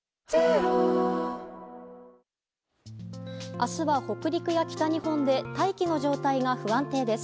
明日は北陸や北日本で大気の状態が不安定です。